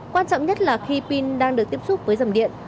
quan trọng nhất là khi pin đang được tiếp xúc với dòng điện